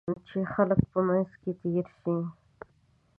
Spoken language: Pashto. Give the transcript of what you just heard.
چې خلک په منځ کې تېر شي.